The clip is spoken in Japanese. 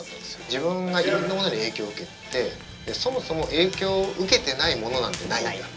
自分がいろんなものに影響受けてそもそも影響受けてないものなんてないんだっていう。